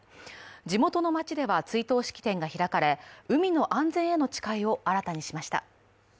地元の町では追悼式典が開かれ、海の安全への誓いを新たにしました。